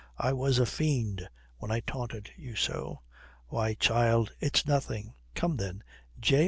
I was a fiend when I taunted you so." "Why, child, it's nothing. Come then J.